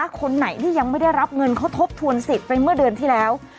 คนไหนที่ยังไม่ได้รับเงินเขาทบทวนสิทธิ์ไปเมื่อเดือนที่แล้ว